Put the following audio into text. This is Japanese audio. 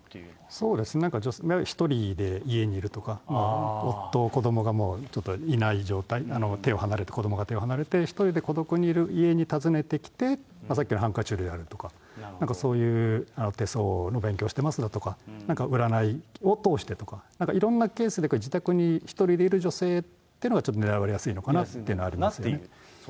そうですね、なんか女性、１人で家にいるとか、夫、子どもがちょっといない状態、手を離れて、子どもが手を離れて、１人で孤独にいる家に訪ねてきて、さっきのハンカチ売りとか、そういう手相の勉強してますだとか、なんか占いを通してとか、いろんなケースで自宅に１人でいる女性というのがちょっと狙われやすいのかなというのはありますね。